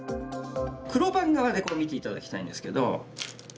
黒番側で見て頂きたいんですけど。